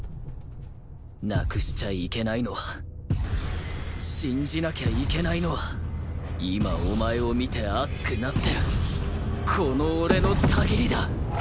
なくしちゃいけないのは信じなきゃいけないのは今お前を見て熱くなってるこの俺の滾りだ